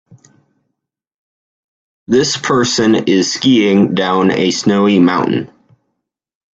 This person is skiing down a snowy mountain.